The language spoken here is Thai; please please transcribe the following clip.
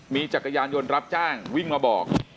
มีจักรยานยนต์รับจ้างวิ่งมาบอก